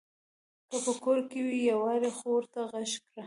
که په کور کې وي يوارې خو ورته غږ کړه !